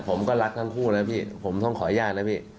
ผมก็รักทั้งคู่นะพี่ผมต้องขออนุญาตนะพี่